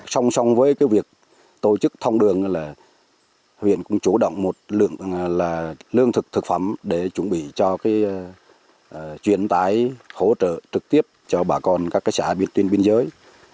song song với việc tổ chức thông đường huyện cũng chủ động một lượng thực phẩm để chuẩn bị cho chuyển tái hỗ trợ trực tiếp cho bà con các xã tuyến biên giới